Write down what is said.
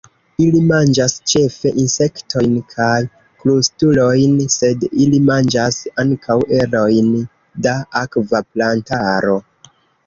Ili manĝas ĉefe insektojn kaj krustulojn, sed ili manĝas ankaŭ erojn da akva plantaro.